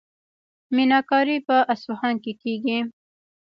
میناکاري په اصفهان کې کیږي.